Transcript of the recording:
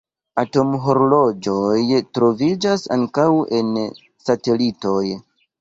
Atomhorloĝoj troviĝas ankaŭ en satelitoj.